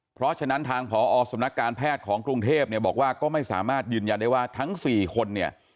เพราะฉะนั้นทางผอสำนักการแพทย์ของกรุงเทพเนี่ยบอกว่าก็ไม่สามารถยืนยันได้ว่าทั้ง๔คนเนี่ย